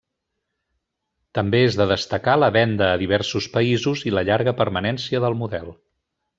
També és de destacar la venda a diversos països i la llarga permanència del model.